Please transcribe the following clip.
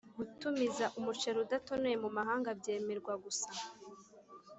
Gutumiza umuceri udatonoye mu mahanga byemerwa gusa